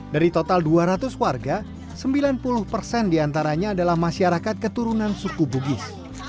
dari total dua ratus warga sembilan puluh persen diantaranya adalah masyarakat keturunan suku bugis